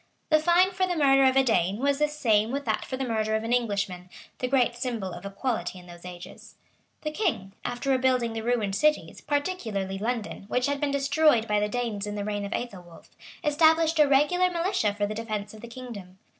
The fine for the murder of a Dane was the same with that for the murder of an Englishman; the great symbol of equality in those ages. The king, after rebuilding the ruined cities, particularly London,[*] which had been destroyed by the Danes in the reign of Ethelwolf, established a regular militia for the defence of the kingdom.